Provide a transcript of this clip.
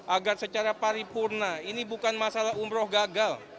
agar secara paripurna ini bukan masalah umroh gagal